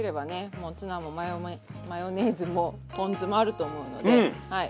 もうツナもマヨメマヨネーズもポン酢もあると思うのではい